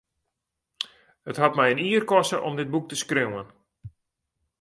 It hat my in jier koste om dit boek te skriuwen.